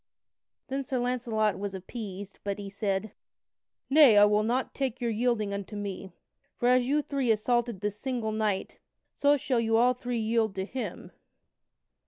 Then Sir Launcelot was appeased, but he said: "Nay, I will not take your yielding unto me. For as you three assaulted this single knight, so shall you all three yield to him."